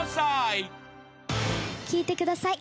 聴いてください。